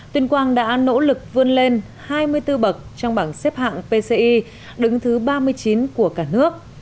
tuyên quang đã nỗ lực vươn lên hai mươi bốn bậc trong bảng xếp hạng pci đứng thứ ba mươi chín của cả nước